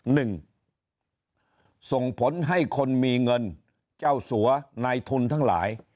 หนึ่งส่งผลให้คนมีเงินเจ้าสัวนายทุนทั้งหลาย